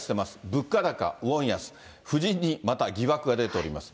物価高、ウォン安、夫人にまた疑惑が出ております。